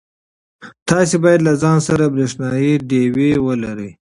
تاسي باید له ځان سره برېښنایی ډېوې ولرئ.